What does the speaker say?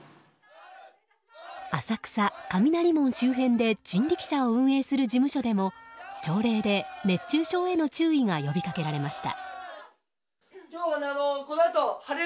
浅草・雷門周辺で人力車を運営する事務所でも朝礼で熱中症への注意が呼び掛けられました。